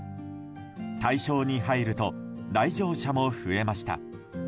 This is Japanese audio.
大正に入ると来場者も増えました。